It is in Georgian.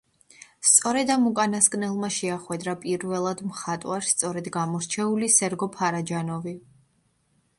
სწორედ ამ უკანასკნელმა შეახვედრა პირველად მხატვარს სწორედ გამორჩეული სერგო ფარაჯანოვი.